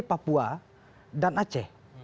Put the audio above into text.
papua dan aceh